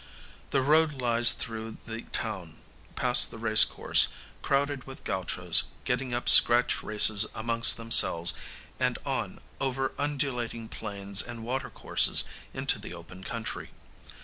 The road lies through the town, past the race course, crowded with Gauchos, getting up scratch races amongst themselves, and on, over undulating plains and water courses, into the open country.